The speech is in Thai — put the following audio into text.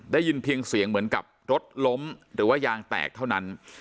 ได้ยินเสียงเหมือนกับรถล้มหรือว่ายางแตกเท่านั้น